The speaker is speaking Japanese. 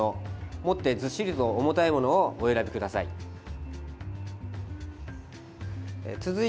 持って、ずっしりと重たいものをお選びください。